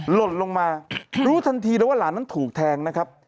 หล่นลงมารู้ทันทีแล้วว่าหลานนั้นถูกแทงนะครับ